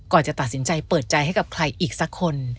จะตัดสินใจเปิดใจให้กับใครอีกสักคน